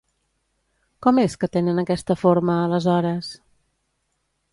Com és que tenen aquesta forma, aleshores?